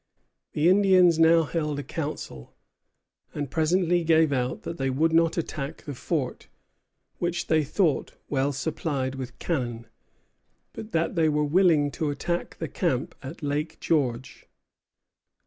The Indians now held a council, and presently gave out that they would not attack the fort, which they thought well supplied with cannon, but that they were willing to attack the camp at Lake George.